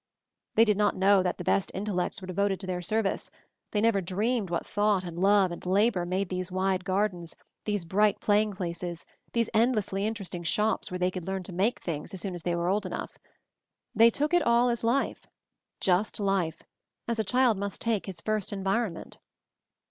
They did not know that the best intellects were devoted to their service, they never dreamed what thought and love and labor made these wide gardens, these bright play ing places, these endlessly interesting shops where they could learn to make things as soon as they were old enough. They took it all as life — just Life, as a child must take his first environment.